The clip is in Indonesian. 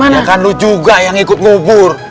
ya kan lu juga yang ikut ngubur